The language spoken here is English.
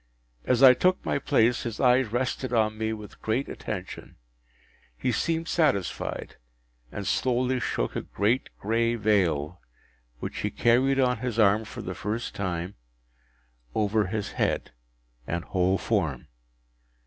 As I took my place, his eyes rested on me with great attention; he seemed satisfied, and slowly shook a great gray veil, which he carried on his arm for the first time, over his head and whole form.